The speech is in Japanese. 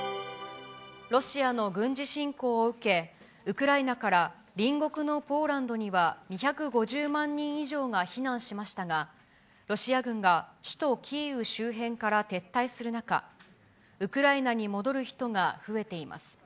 ロシアの軍事侵攻を受け、ウクライナから隣国のポーランドには２５０万人以上が避難しましたが、ロシア軍が首都キーウ周辺から撤退する中、ウクライナに戻る人が増えています。